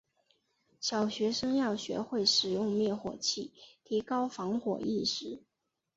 小学生要学会使用灭火器，提高防火意识。